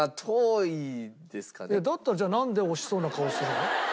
だったらじゃあなんで惜しそうな顔するの？